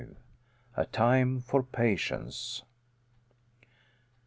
A TIME FOR PATIENCE.